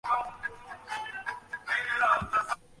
কখনও বা জায়গা নিয়ে উল্টো উৎপাত হয়ে বসে।